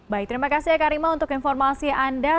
baik terima kasih eka rima untuk informasi anda